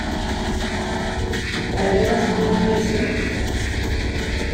Ɛni ad teddum yid-sent?